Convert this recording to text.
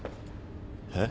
えっ？